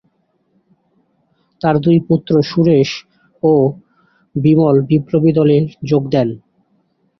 তার দুই পুত্র সুরেশ ও বিমল বিপ্লবী দলে যোগ দেন।